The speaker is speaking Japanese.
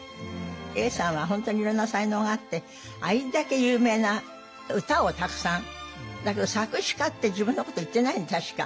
永さんは本当にいろんな才能があってあれだけ有名な歌をたくさんだけど作詞家って自分のこと言ってないの確か。